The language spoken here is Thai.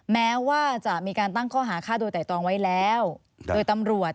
แม้ว่าจะมีการตั้งข้อหาฆ่าโดยแต่ตองไว้แล้วโดยตำรวจ